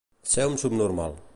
Ser un subnormal.